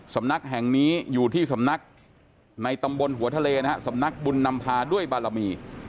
สำนักแห่งนี้อยู่ที่สำนักในตำบลหัวทะเลนะฮะสำนักบุญนำพาด้วยบารมี